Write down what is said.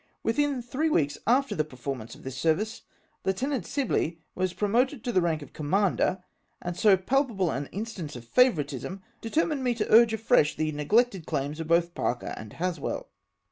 Within three weeks after the performance of this ser vice. Lieutenant Sibley was 2^^'<^^i^oted to the rank of commander, and so palpable an instance of favouritism determined me to urge afresh the neglected claims of both Parker and Haswell.